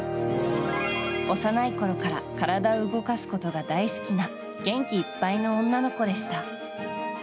幼いころから体を動かすことが大好きな元気いっぱいの女の子でした。